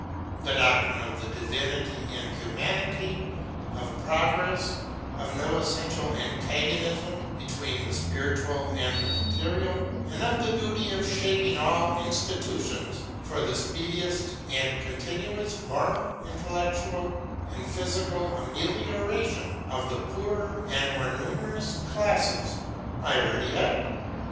The doctrine of the Divinity in Humanity, of progress, of no essential antagonism between the spiritual and the material, and of the duty of shaping all institutions for the speediest and continuous moral, intellectual, and physical amelioration of the poorer and more numerous classes, I already held.